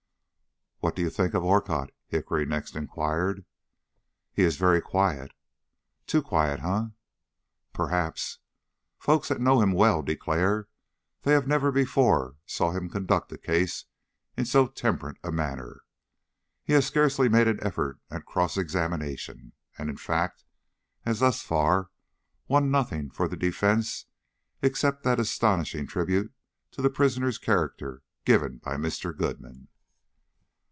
"What do you think of Orcutt?" Hickory next inquired. "He is very quiet." "Too quiet, eh?" "Perhaps. Folks that know him well declare they never before saw him conduct a case in so temperate a manner. He has scarcely made an effort at cross examination, and, in fact, has thus far won nothing for the defence except that astonishing tribute to the prisoner's character given by Mr. Goodman."